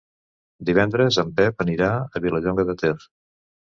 Divendres en Pep anirà a Vilallonga de Ter.